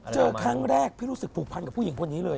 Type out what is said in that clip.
เจอครั้งแรกพี่รู้สึกผูกพันกับผู้หญิงคนนี้เลย